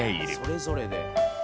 それぞれで。